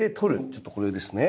ちょっとこれですね。